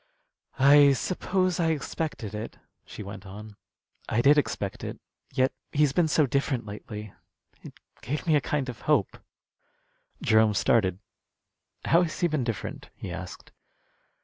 "I suppose I expected it," she went on. "I did expect it. Yet he's been so different lately, it gave me a kind of hope." Jerome started. "How has he been different?" he asked.